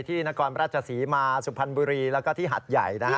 ที่นครรัชศรีมาร์สุภัณฑ์บุรีแล้วก็ที่หัดใหญ่นะครับ